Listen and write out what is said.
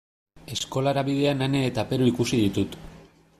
Eskolara bidean Ane eta Peru ikusi ditut.